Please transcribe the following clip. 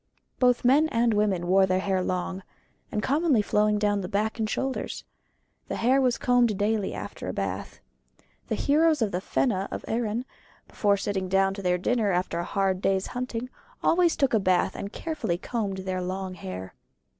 Both men and women wore the hair long, and commonly flowing down on the back and shoulders. The hair was combed daily after a bath. The heroes of the Fena of Erin, before sitting down to their dinner after a hard day's hunting, always took a bath and carefully combed their long hair.